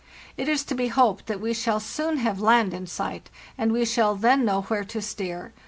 It is to be hoped that we shall soon have land in sight, and we shall then know where to steer.